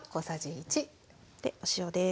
でお塩です。